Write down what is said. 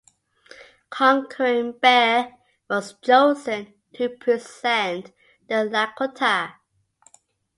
Conquering Bear was chosen to represent the Lakota.